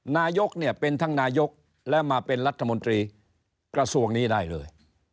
นายกเนี่ยเป็นทั้งนายกและมาเป็นรัฐมนตรีกระทรวงนี้ได้เลย